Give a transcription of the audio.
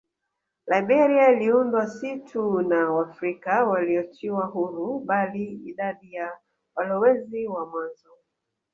Liberia iliundwa si tu na Waafrika walioachiwa huru bali idadi ya walowezi wa mwanzo